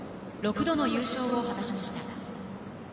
６度の優勝を果たしました。